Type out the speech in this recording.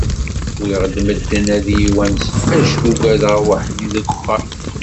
Wwiɣ-d medden ad yi-wansen, acku ugadeɣ weḥd-i deg uxxam.